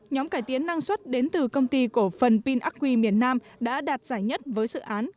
nhóm cải tiến năng suất đến từ công ty cổ phần pin aqui miền nam đã đạt giải nhất với dự án